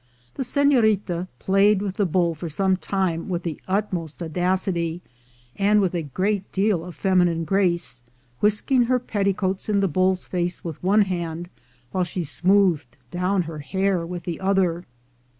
The senorita played with the bull for some little time with the utmost audacity, and with a great deal of feminine grace, whisking her petticoats in the bull's face with one hand, whilst she smoothed down her hair with the other.